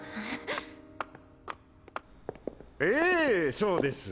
ええそうです。